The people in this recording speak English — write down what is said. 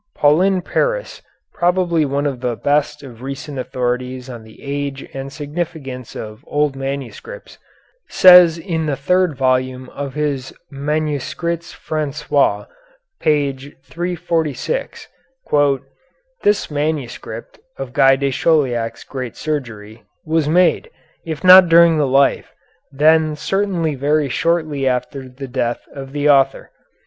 Paulin Paris, probably one of the best of recent authorities on the age and significance of old manuscripts, says in the third volume of his "Manuscrits Français," page 346, "This manuscript [of Guy de Chauliac's "Great Surgery"] was made, if not during the life, then certainly very shortly after the death of the author.